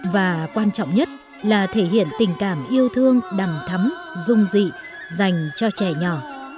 và quan trọng nhất là thể hiện tình cảm yêu thương đầm thấm rung dị dành cho trẻ nhỏ